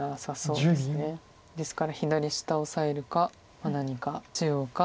ですから左下をオサえるか何か中央か。